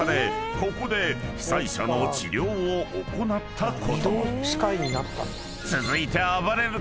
ここで被災者の治療を行ったことも］